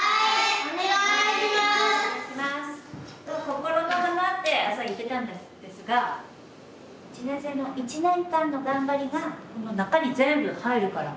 心の花って朝言ってたんですが１年生の１年間の頑張りがこの中に全部入るから。